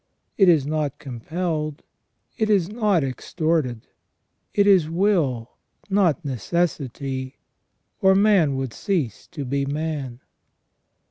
It is not compelled, it is not extorted; it is will, not necessity, or man would cease to be man.